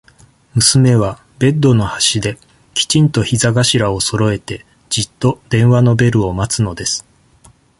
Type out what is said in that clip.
娘は、ベッドの端で、きちんと膝頭をそろえて、じっと、電話のベルを待つのです。